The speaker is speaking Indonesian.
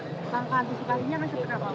tangka antisipasinya masih berapa pak